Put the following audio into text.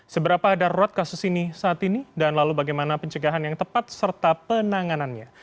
seberapa darurat kasus ini saat ini dan lalu bagaimana pencegahan yang tepat serta penanganannya